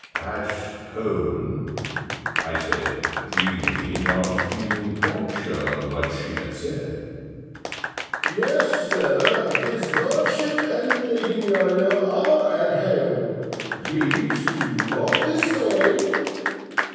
"At home?" I said dreamily, not feeling quite sure what she had said. "Yes, Sir. His Lordship and Lady Muriel are at home. Please to walk this way."